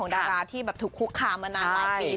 ดาราที่แบบถูกคุกคามมานานหลายปี